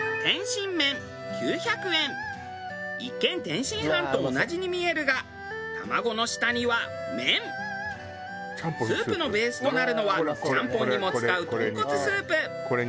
一見天津飯と同じに見えるがスープのベースとなるのはちゃんぽんにも使う豚骨スープ。